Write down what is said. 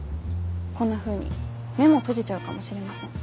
こんなふうに目も閉じちゃうかもしれません。